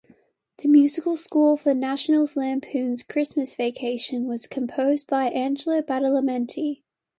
The musical score for "National Lampoon's Christmas Vacation" was composed by Angelo Badalamenti.